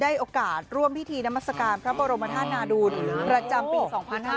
โอกาสร่วมพิธีนามัศกาลพระบรมธาตุนาดูลประจำปี๒๕๕๙